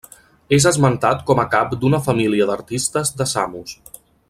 És esmentat com a cap d'una família d'artistes de Samos.